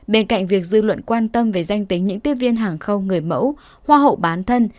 bên cạnh việc dư luận quan tâm về danh tính những tiếp viên hàng không người mẫu hoa hậu bán thân